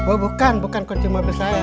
oh bukan bukan kunci mobil saya